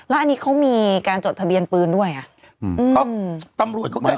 แล้วอันนี้เขามีการจดทะเบียนปืนด้วยอ่ะอืมอืมตำรวจก็เกิดอะไร